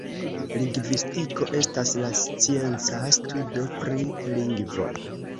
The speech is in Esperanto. Lingvistiko estas la scienca studo pri lingvo.